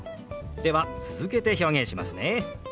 では続けて表現しますね。